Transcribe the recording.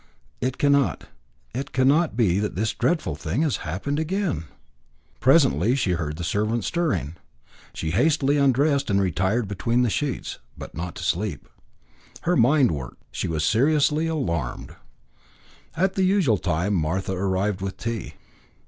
"It cannot it cannot be that this dreadful thing has happened again." Presently she heard the servants stirring. She hastily undressed and retired between the sheets, but not to sleep. Her mind worked. She was seriously alarmed. At the usual time Martha arrived with tea.